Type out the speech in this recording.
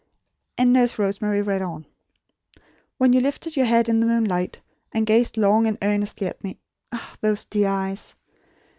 And Nurse Rosemary read on. "When you lifted your head in the moonlight and gazed long and earnestly at me Ah, those dear eyes!